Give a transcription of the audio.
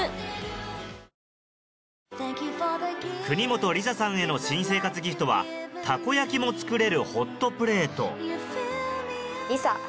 国本梨紗さんへの新生活ギフトはたこ焼きも作れるホットプレート梨紗